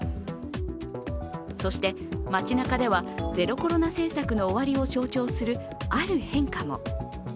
そして、街なかではゼロコロナ政策の終わりを象徴するある変化も。